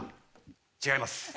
違います。